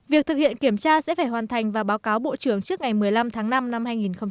việc thực hiện kiểm tra sẽ phải hoàn thành và báo cáo bộ trưởng trước ngày một mươi năm tháng năm năm hai nghìn hai mươi